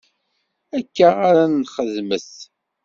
Akka ara t-nxedmet.